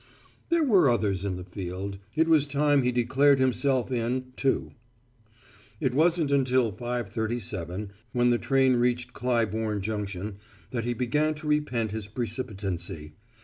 There were others in the field. It was time he declared himself in, too. It wasn't until 5:37, when the train reached Clybourn Junction, that he began to repent his precipitancy.